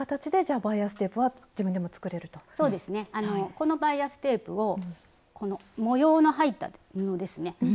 このバイアステープをこの模様の入った布ですね。